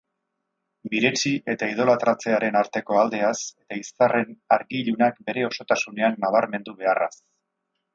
Miretsi eta idolatratzearen arteko aldeaz, eta izarren argi-ilunak bere osotasunean nabarmendu beharraz.